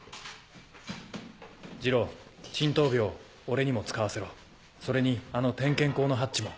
二郎沈頭鋲俺にも使わせろそれにあの点検孔のハッチも。